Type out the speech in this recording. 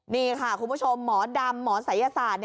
นี่ค่ะคุณผู้ชมหมอดำหมอศัยศาสตร์